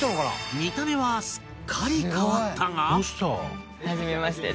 見た目はすっかり変わったがはじめまして。